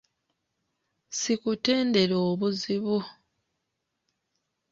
Sikutendera obuzibu!